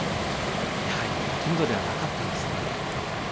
やはり商人ではなかったんですね。